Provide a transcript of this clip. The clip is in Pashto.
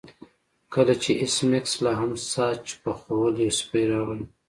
کله چې ایس میکس لاهم ساسج پخول یو سپی راغی